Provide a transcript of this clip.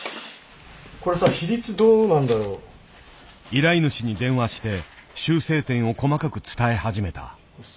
依頼主に電話して修正点を細かく伝え始めた。